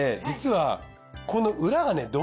実はこの裏がね